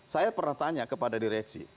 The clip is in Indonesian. saya pernah tanya kepada direksi